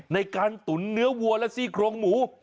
ตุ๋นเนื้อวัวและซี่โครงหมู